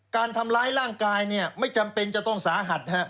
การทำร้ายร่างกายไม่จำเป็นจะต้องสาหัส